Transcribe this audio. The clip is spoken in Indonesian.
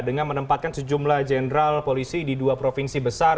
dengan menempatkan sejumlah jenderal polisi di dua provinsi besar